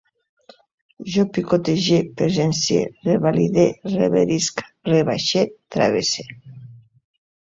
Jo picotege, presencie, revalide, reverisc, rebaixe, travesse